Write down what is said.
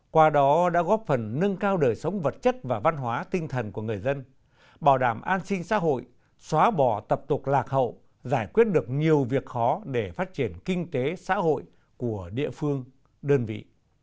qua đó đã góp phần nâng cao đời sống vật chất và văn hóa tinh thần của người dân bảo đảm an sinh xã hội xóa bỏ tập tục lạc hậu giải quyết được nhiều việc khó để phát triển kinh tế xã hội của địa phương đơn vị